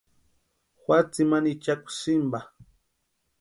Jua tsimani ichakwa sïmpa.